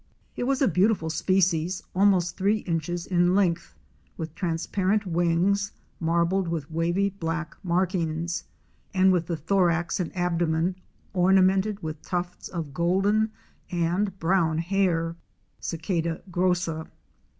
It was a beautiful species almost three inches in length with transparent wings marbled with wavy black markings, and with the thorax and abdomen ornamented with tufts of golden and brown hair (Cicada grossa).